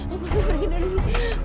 aku harus pergi dari sini